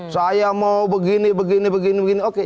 saya mau begini begini begini begini oke